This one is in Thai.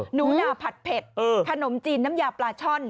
หนูนาผัดเผ็ดขนมจีนน้ำยาปลาช่อน